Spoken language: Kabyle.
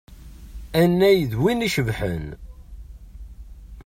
Anay d win icebḥen.